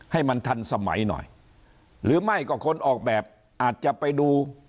ให้มันทันสมัยหน่อยหรือไม่ก็คนออกแบบอาจจะไปดู